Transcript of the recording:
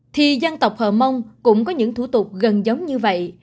thì dân tộc hờ mông cũng có những thủ tục gần giống như vậy